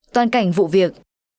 toàn cảnh vụ việc